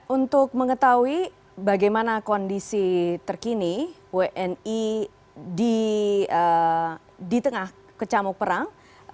untuk mengetahui bagaimana kondisi terkini wni di tengah kecamuk perang